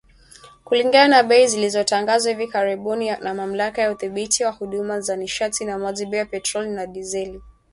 Kulingana na bei zilizotangazwa hivi karibuni na Mamlaka ya Udhibiti wa Huduma za Nishati na Maji, bei ya petroli na dizeli iliongezeka kwa shilingi mia tatu za Tanzania